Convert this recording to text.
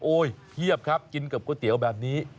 เพียบครับกินกับก๋วยเตี๋ยวแบบนี้